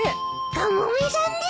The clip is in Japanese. カモメさんです。